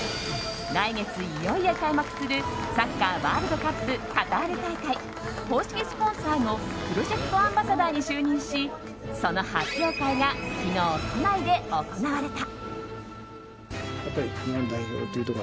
来月いよいよ開幕するサッカーワールドカップカタール大会、公式スポンサーのプロジェクトアンバサダーに就任しその発表会が昨日都内で行われた。